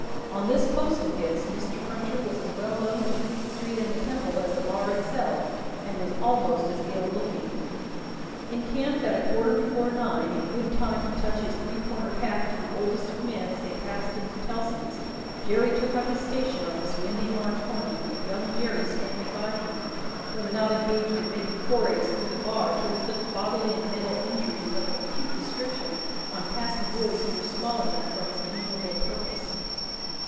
On this post of his, Mr. Cruncher was as well known to Fleet street and the Temple, as the Bar itself, and was almost as in looking. Encamped at a quarter before nine, in good time to touch his three cornered hat to the oldest of men as they passed in to Tellson's, Jerry took up his station on this windy March morning, with young Jerry standing by him, when not engaged in making forays through the Bar, to inflict bodily and mental injuries of an acute description on passing boys who were small enough for his amiable purpose.